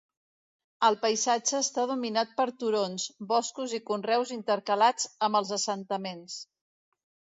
El paisatge està dominat per turons, boscos i conreus intercalats amb els assentaments.